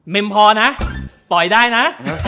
มพอนะปล่อยได้นะ